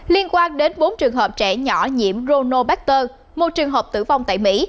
liên quan đến bốn trường hợp trẻ nhỏ nhiễm rono barter một trường hợp tử vong tại mỹ